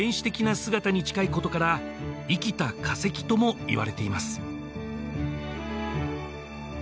姿に近いことから「生きた化石」ともいわれています